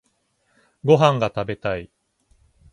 ご飯が食べたい。